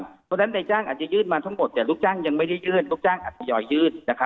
เพราะฉะนั้นในจ้างอาจจะยื่นมาทั้งหมดแต่ลูกจ้างยังไม่ได้ยื่นลูกจ้างอาจจะทยอยยื่น